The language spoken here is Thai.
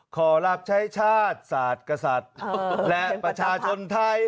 ขอรับใช้ชาติศาสตร์กษัตริย์และประชาชนไทย